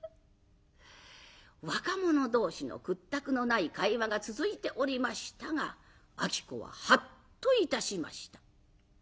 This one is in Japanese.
若者同士のくったくのない会話が続いておりましたが子はハッといたしました。